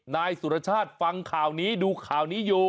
นายสุรชาติฟังข่าวนี้ดูข่าวนี้อยู่